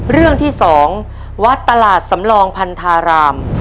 เรื่องที่๒วัดตลาดสำรองพันธาราม